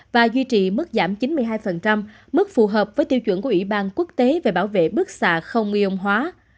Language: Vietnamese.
và duy trì mức giảm chín mươi hai mức phù hợp với tiêu chuẩn của ủy ban quốc tế về bảo vệ bức xạ không yên hóa